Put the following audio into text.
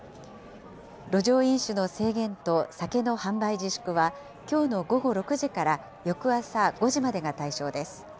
路上飲酒の制限と酒の販売自粛は、きょうの午後６時から翌朝５時までが対象です。